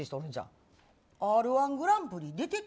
「Ｒ‐１グランプリ」出てた？